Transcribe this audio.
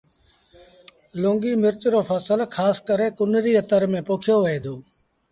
لونگيٚ مرچ رو ڦسل کآس ڪري ڪنريٚ ري تر ميݩ پوکيو وهي دو